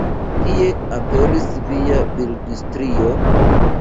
Kie aperis via bildstrio?